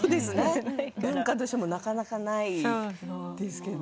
文化としてもなかなかないですけど。